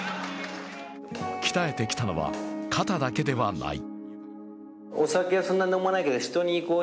鍛えてきたのは、肩だけではない。